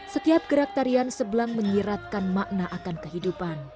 setiap gerak tarian sebelang menyiratkan makna akan kehidupan